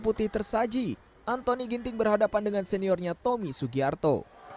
putih tersaji antoni ginting berhadapan dengan seniornya tommy sugiarto